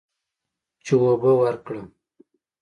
چې اوبه ورکړه.